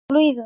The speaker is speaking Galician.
Ruído.